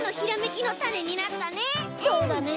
そうだね！